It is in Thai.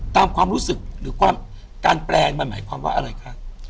ความรู้สึกหรือความการแปลงมันหมายความว่าอะไรคะ